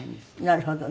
なるほどね。